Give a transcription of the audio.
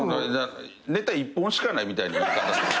ネタ１本しかないみたいな言い方。